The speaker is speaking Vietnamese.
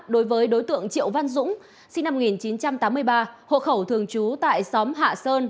đối với đối tượng triệu văn dũng sinh năm một nghìn chín trăm tám mươi ba hộ khẩu thường trú tại xóm hạ sơn